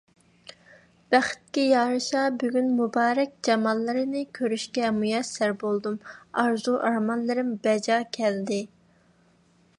بەختكە يارىشا، بۈگۈن مۇبارەك جاماللىرىنى كۆرۈشكە مۇيەسسەر بولدۇم، ئارزۇ - ئارمانلىرىم بەجا كەلدى.